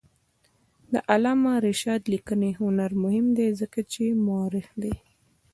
د علامه رشاد لیکنی هنر مهم دی ځکه چې مؤرخ دی.